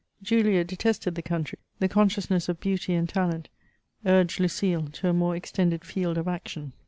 Julia detested the country ; the consciousness of beauty and talent urged Lucile to a more extended field of action.